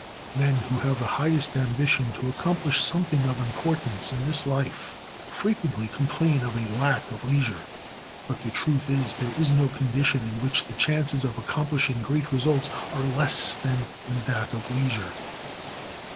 Men who have the highest ambition to accomplish something of importance in this life frequently complain of a lack of leisure. But the truth is, there is no condition in which the chances of accomplishing great results are less than in that of leisure.